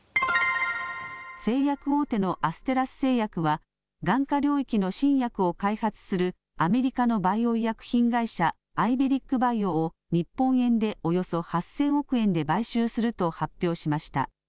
製薬大手のアステラス製薬は、眼科領域の新薬を開発するアメリカのバイオ医薬品会社、アイベリック・バイオを日本円でおよそ８０００億円で買収すると発表しました。